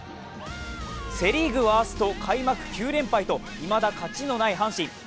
セ・リーグワースト開幕９連敗といまだ勝ちのない阪神。